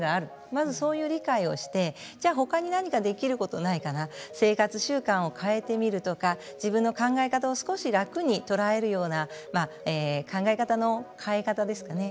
まずそういう理解をしてじゃあほかに何かできることはないかな生活習慣を変えてみるとか自分の考え方を少し楽に捉えるような考え方の変え方ですかね。